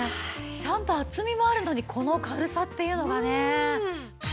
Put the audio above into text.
ちゃんと厚みもあるのにこの軽さっていうのがね。